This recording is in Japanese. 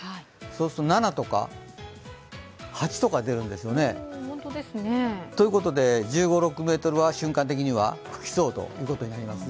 そうすると７とか、８とか出るんですよね。ということで１５１６メートルは瞬間的には吹きそうです。